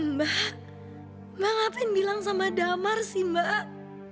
mbak mbak ngapain bilang sama damar sih mbak